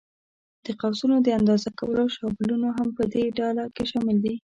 د قوسونو د اندازې کولو شابلونونه هم په دې ډله کې شامل دي.